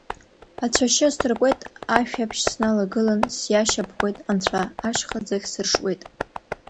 Ацәашьы асыркуеит ашәаԥшь сналагылан, сиашьапкуеит Анцәа, ашьха ӡыхь сыршуеит.